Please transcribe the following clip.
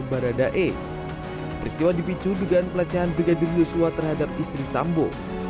berada di piju dengan pelacahan brigadir yosua terhadap istri sambo